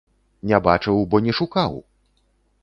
Не бачыў, бо не шукаў!